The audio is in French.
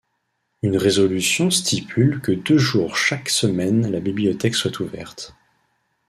Une résolution stipule que deux jours chaque semaine la bibliothèque soit ouverte.